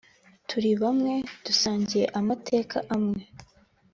turi bwamwe dusangiye amateka amwe »